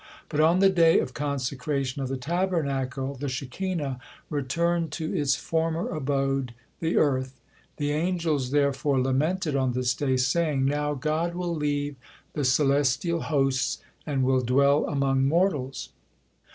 But on the day of consecration of the Tabernacle the Shekinah returned to its former abode, the earth. The angels therefore lamented on this day, saying: "Now God will leave the celestial hosts and will dwell among mortals."